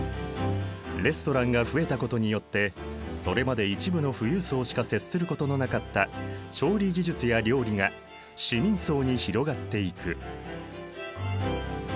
レストランが増えたことによってそれまで一部の富裕層しか接することのなかった調理技術や料理が市民層に広がっていく。